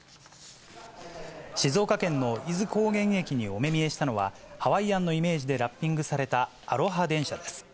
静岡県の伊豆高原駅にお目見えしたのは、ハワイアンのイメージでラッピングされたアロハ電車です。